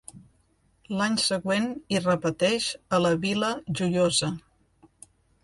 L'any següent hi repeteix a la Vila Joiosa.